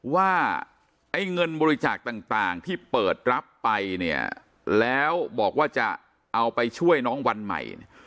ว่าไอ้เงินบริจาคต่างที่เปิดรับไปเนี่ยแล้วบอกว่าจะเอาไปช่วยน้องวันใหม่